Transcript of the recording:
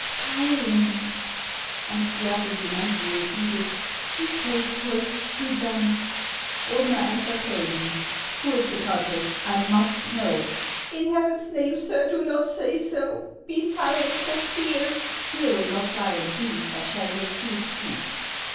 Silence !" And Spiagudry mentally repeated :" Be faithful, be dumb." Ordener answered coldly :" Who is the culprit ? I must know !" 90 HANS OF ICELAND. " In Heaven's name, sir, do not say so ! Be silent, for fear —" Fear will not silence me, but shall make you speak."